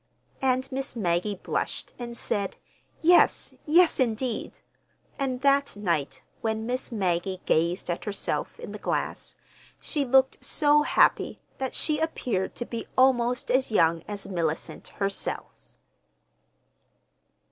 And Miss Maggie blushed and said yes, yes, indeed! And that night, when Miss Maggie gazed at herself in the glass, she looked so happy—that she appeared to be almost as young as Mellicent herself!